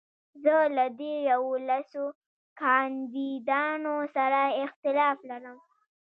زه له دې يوولسو کانديدانو سره اختلاف لرم.